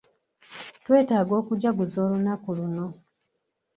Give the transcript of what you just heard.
Twetaaga okujaguza olunaku luno.